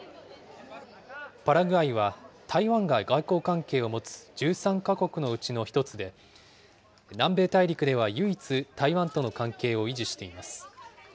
パラグアイは、台湾が外交関係を持つ１３か国のうちの１つで、南米大陸では唯一、台湾との関係を維持しています。